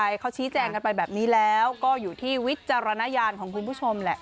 ใช่เขาชี้แจงกันไปแบบนี้แล้วก็อยู่ที่วิจารณญาณของคุณผู้ชมแหละ